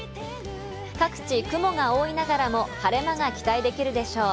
各地、雲が多いながらも晴れ間が期待できるでしょう。